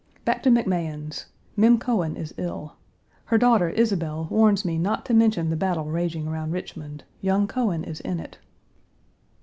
Back to McMahan's. Mem Cohen is ill. Her daughter, Isabel, warns me not to mention the battle raging around Richmond. Young Cohen is in it.